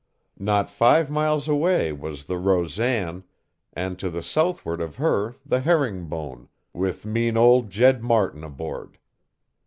Not five miles away was the Rosan, and to the southward of her the Herring Bone with mean old Jed Martin aboard.